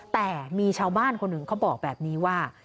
แต่มีชาวบ้านคนหนึ่งเขาบอกแบบนี้ว่า